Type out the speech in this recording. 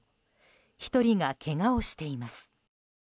１人がけがをしています。